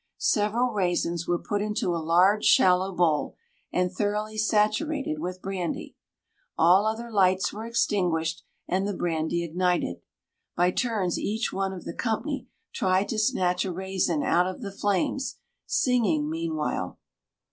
Several raisins were put into a large shallow bowl and thoroughly saturated with brandy. All other lights were extinguished and the brandy ignited. By turns each one of the company tried to snatch a raisin out of the flames, singing meanwhile.